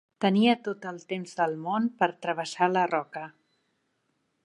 Tenia tot el temps del món per travessar la roca.